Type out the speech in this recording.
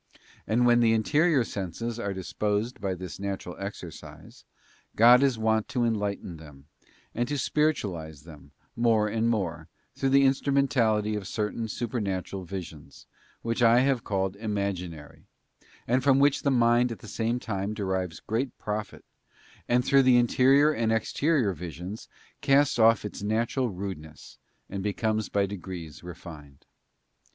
And when the interior senses are dis posed by this natural exercise, God is wont to enlighten them, and to spiritualise them, more and more, through the instru mentality of certain supernatural visions, which I have called imaginary; from which the mind at the same time derives great profit, and through the interior and exterior visions casts off its natural rudeness and becomes by degrees refined.